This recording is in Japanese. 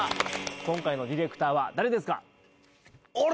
今回のディレクターは誰ですか？